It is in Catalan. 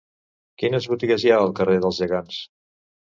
Quines botigues hi ha al carrer dels Gegants?